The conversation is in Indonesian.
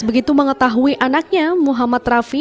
begitu mengetahui anaknya muhammad rafi